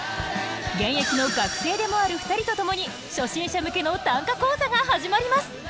現役の学生でもある２人と共に初心者向けの短歌講座が始まります。